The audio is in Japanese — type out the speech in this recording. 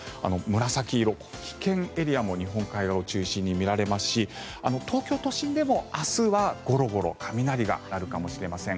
紫色、危険エリアも日本海側を中心に見られますし東京都心でも明日はゴロゴロ雷が鳴るかもしれません。